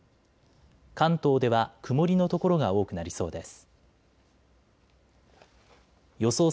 関東では曇りの所が多くなりそうです。